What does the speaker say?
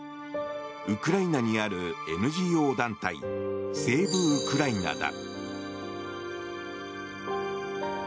ウクライナにあるＮＧＯ団体セーブ・ウクライナだ。